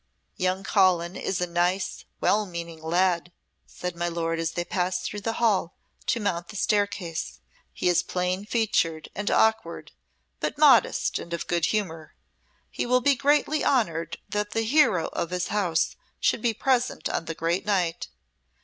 "Young Colin is a nice, well meaning lad," said my lord as they passed through the hall to mount the staircase. "He is plain featured and awkward, but modest and of good humour. He will be greatly honoured that the hero of his house should be present on the great night.